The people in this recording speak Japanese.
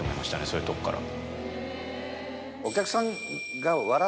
そういうとこから。